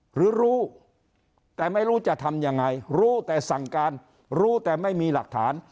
หรือรู้แต่ไม่รู้จะทำยังไงรู้แต่สั่งการรู้แต่ไม่มีหลักฐาน